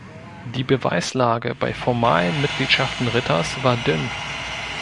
Die Beweislage bei formalen Mitgliedschaften Ritters war dünn.